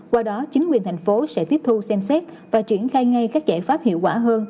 qua đó chính quyền thành phố sẽ tiếp thu xem xét và triển khai ngay các giải pháp hiệu quả hơn